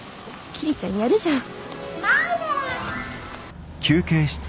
桐ちゃんやるじゃん。